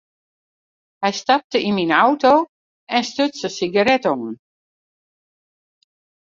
Hy stapte yn myn auto en stuts in sigaret op.